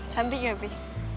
cantik gak pih